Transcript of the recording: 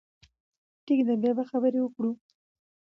ټيک ده، بيا به خبرې وکړو